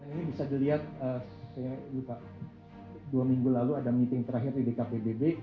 ini bisa dilihat saya lupa dua minggu lalu ada meeting terakhir di dkpbb